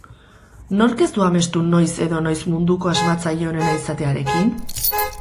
Nork ez du amestu noiz edo noiz munduko asmatzaile onena izatearekin?